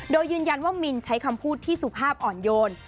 โดยยืนยันว่ามินใช้คำพูดที่สุภาพอ่อนโยน